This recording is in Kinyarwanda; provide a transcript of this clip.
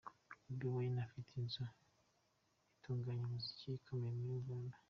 Bobi Wine: afite inzu itunganya umuziki ikomeye muri Uganda.